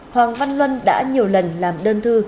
hoàng văn luân đã nhiều lần làm đơn thư